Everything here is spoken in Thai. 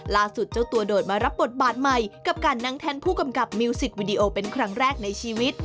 เจ้าตัวโดดมารับบทบาทใหม่กับการนั่งแทนผู้กำกับมิวสิกวิดีโอเป็นครั้งแรกในชีวิต